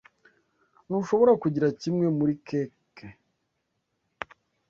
Ntushobora kugira kimwe muri keke.